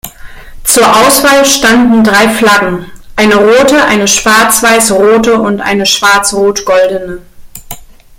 Zur Auswahl standen drei Flaggen, eine rote, eine schwarz-weiß-rote und eine schwarz-rot-goldene.